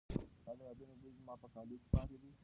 ستا د یادونو بوی زما په کالو کې پاتې دی.